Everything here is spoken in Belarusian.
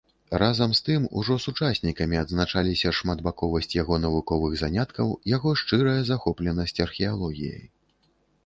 Разам з тым ужо сучаснікамі адзначаліся шматбаковасць яго навуковых заняткаў, яго шчырая захопленасць археалогіяй.